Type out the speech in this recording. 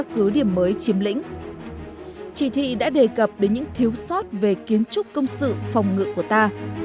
chỉ thị đã đề cập đến những thiếu sót về kiến trúc công sự phòng ngựa của ta